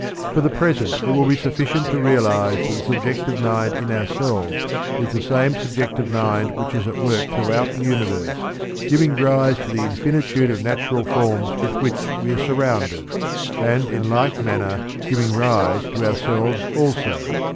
For the present it will be sufficient to realize that the subjective mind in ourselves is the same subjective mind which is at work throughout the universe giving rise to the infinitude of natural forms with which we are surrounded, and in like manner giving rise to ourselves also.